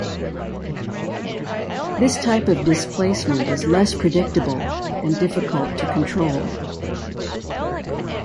This type of displacement is less predictable and difficult to control.